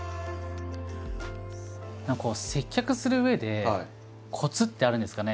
何かこう接客するうえでコツってあるんですかね？